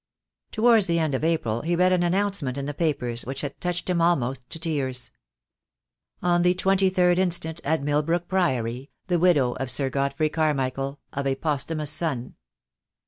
Towards the end of April he read an announcement in the papers which had touched him almost to tears. "On the 23rd inst., at Milbrook Priory, the widow of Sir Godfrey Carmichael, of a posthumous son."